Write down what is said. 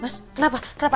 mas kenapa kenapa